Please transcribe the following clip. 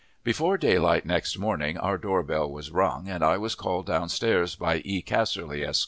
Before daylight next morning, our door bell was rung, and I was called down stairs by E. Casserly, Esq.